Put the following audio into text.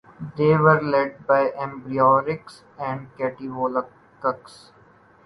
They were led by Ambiorix and Cativolcus.